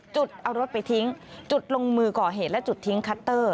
จุดเอารถไปทิ้งจุดลงมือก่อเหตุและจุดทิ้งคัตเตอร์